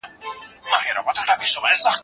که انځور وي نو مانا نه پټیږي.